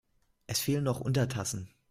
Es fehlen noch Untertassen.